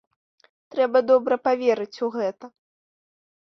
Трэба добра паверыць у гэта.